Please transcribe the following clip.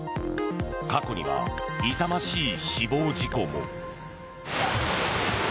過去には痛ましい死亡事故も。